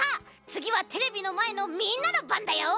つぎはテレビのまえのみんなのばんだよ。